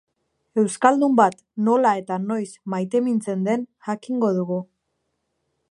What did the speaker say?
Euskaldun bat nola eta noiz maitemintzen den jakingo dugu.